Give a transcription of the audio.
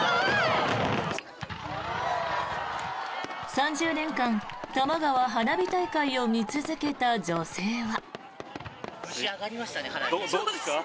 ３０年間、たまがわ花火大会を見続けた女性は。